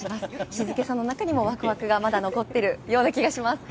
静けさの中にもワクワクがまだ残っている気がします。